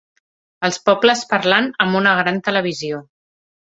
els pobles parlant amb una gran televisió